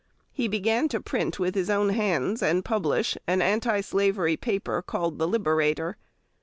He began to print with his own hands and publish an anti slavery paper called the Liberator.